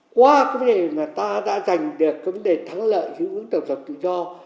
qua vấn đề mà ta đã giành được vấn đề thắng lợi hướng tầm dọc tự do